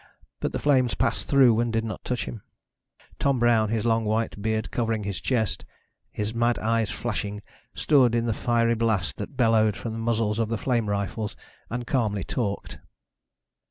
But the flames passed through and did not touch him. Tom Brown, his long white beard covering his chest, his mad eyes flashing, stood in the fiery blast that bellowed from the muzzles of the flame rifles and calmly talked.